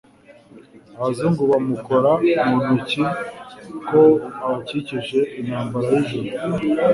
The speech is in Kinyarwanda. abazungu bamukora mu ntoki ko abakijije intambara y'ijoro!!!